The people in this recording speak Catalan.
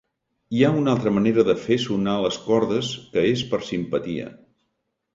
Hi ha una altra manera de fer sonar les cordes que és per simpatia.